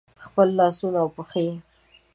خپل لاسونه او پښې